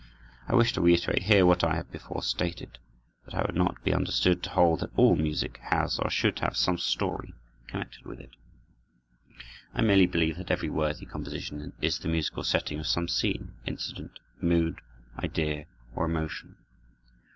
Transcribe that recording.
I wish to reiterate here what I have before stated, that I would not be understood to hold that all music has or should have some story connected with it. I merely believe that every worthy composition is the musical setting of some scene, incident, mood, idea, or emotion.